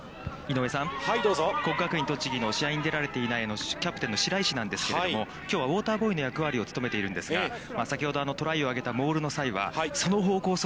◆国学院栃木の試合に出られていないキャプテンの白石なんですけれども、きょうはウオーターボーイの役割を務めているんですが、先ほどトライを上げたモールの際はその方向